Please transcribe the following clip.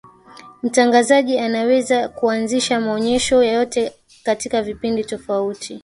mtangazaji anawezi kuanzisha maonesho yote katika vipindi tofauti